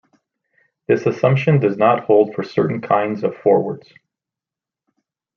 This assumption does not hold for certain kinds of forwards.